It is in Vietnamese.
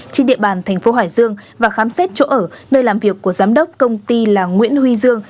trên địa bàn thành phố hải dương và khám xét chỗ ở nơi làm việc của giám đốc công ty là nguyễn huy dương